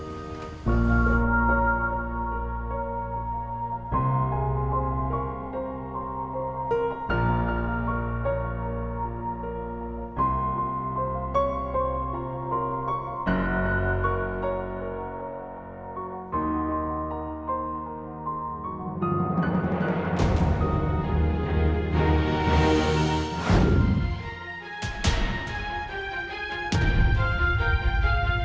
kamu itu bukan yang kecil lagi